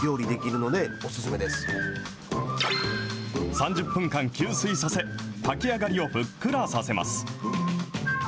３０分間吸水させ、炊き上がりをふっくらさせます。